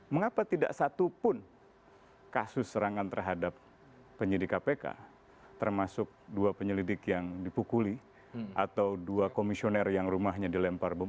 mengapa tidak satupun kasus serangan terhadap penyidik kpk termasuk dua penyelidik yang dipukuli atau dua komisioner yang rumahnya dilempar bom